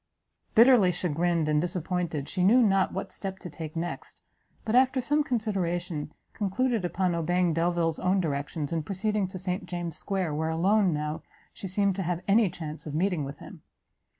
Bitterly chagrined and disappointed, she knew not what step to take next; but, after some consideration, concluded upon obeying Delvile's own directions, and proceeding to St James's square, where alone, now, she seemed to have any chance of meeting with him.